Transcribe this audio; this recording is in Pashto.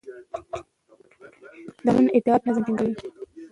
د قانون اطاعت نظم ټینګوي